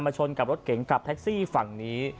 ชนกับรถเก๋งกับแท็กซี่ฝั่งนี้